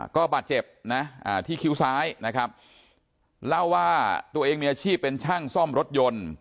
ก็บาดเจ็บนะที่คิ้วซ้ายนะครับเล่าว่าตัวเองมีอาชีพเป็นช่างซ่อมรถยนต์